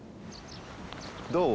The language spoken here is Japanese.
どう？